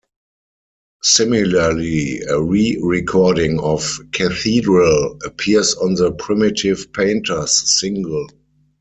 Similarly, a re-recording of "Cathedral" appears on the "Primitive Painters" single.